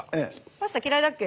パスタ嫌いだっけ？